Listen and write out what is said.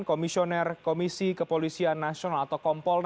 komisioner komisi kepolisian nasional atau kompolnas